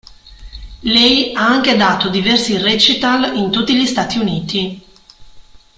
Lei ha anche dato diversi recital in tutti gli Stati Uniti.